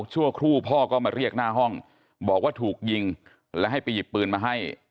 ชั่วครู่พ่อก็มาเรียกหน้าห้องบอกว่าถูกยิงและให้ไปหยิบปืนมาให้